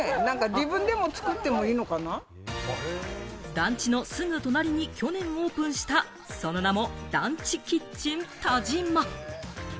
団地のすぐ隣に去年をオープンした、その名も団地キッチン田島。